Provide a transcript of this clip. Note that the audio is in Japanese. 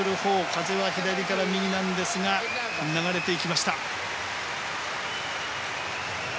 風は左から右なんですが流れていきました。